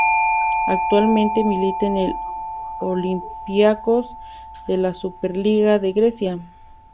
Actualmente milita en el Olympiacos de la Superliga de Grecia.